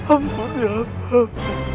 ampunilah ya allah